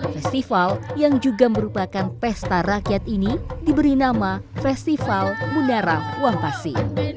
festival yang juga merupakan pesta rakyat ini diberi nama festival munara wampasi